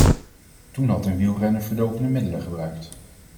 Toen had een wielrenner verdovende middelen gebruikt.